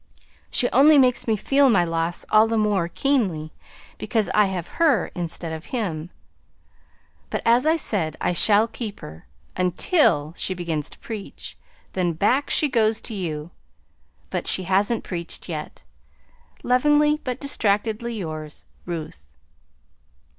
She only makes me feel my loss all the more keenly because I have her instead of him. But, as I said, I shall keep her until she begins to preach. Then back she goes to you. But she hasn't preached yet. "Lovingly but distractedly yours, "RUTH."